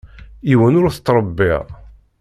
Yiwen ur t-ttṛebbiɣ.